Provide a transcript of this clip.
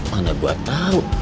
mana gua tau